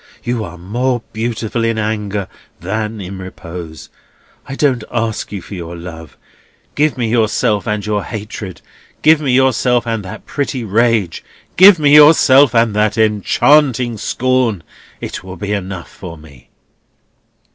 You are more beautiful in anger than in repose. I don't ask you for your love; give me yourself and your hatred; give me yourself and that pretty rage; give me yourself and that enchanting scorn; it will be enough for me."